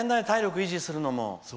体力維持するのも。